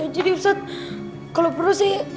jadi ustadz kalo perlu saya